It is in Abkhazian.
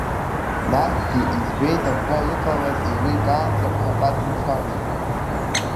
Насгьы иӡбеит абра иҟалаз еиликаанӡа ԥхьаҟа дымцарц.